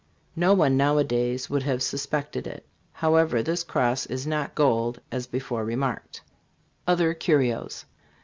No one now a days would have suspected it. However, this cross is not gold, as before remarked. OTHER CURIOS.